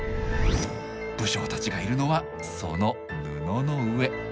武将たちがいるのはその布の上。